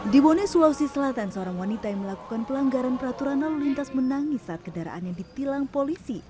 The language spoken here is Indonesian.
di bone sulawesi selatan seorang wanita yang melakukan pelanggaran peraturan lalu lintas menangis saat kendaraannya ditilang polisi